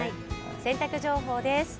洗濯情報です。